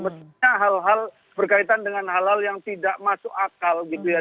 mestinya hal hal berkaitan dengan hal hal yang tidak masuk akal gitu ya